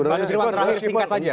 mas rufus singkat saja